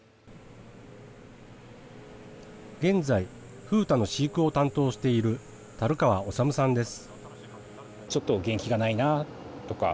現在、風太の飼育を担当している樽川修さんです。